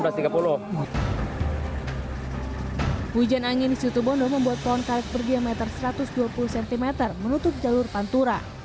hujan angin di situ bondo membuat pohon karet berdiameter satu ratus dua puluh cm menutup jalur pantura